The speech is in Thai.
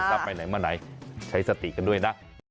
ถ้าไปไหนมาไหนใช้สติกันด้วยนะ